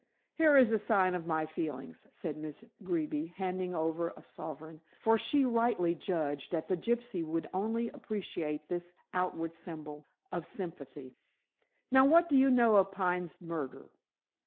"Here is a sign of my feelings," said Miss Greeby, handing over a sovereign, for she rightly judged that the gypsy would only appreciate this outward symbol of sympathy. "Now, what do you know of Pine's murder?"